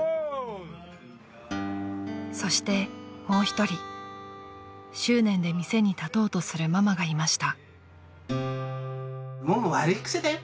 ［そしてもう一人執念で店に立とうとするママがいました］